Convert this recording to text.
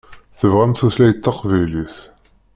Tebɣam tutlayt taqbaylit.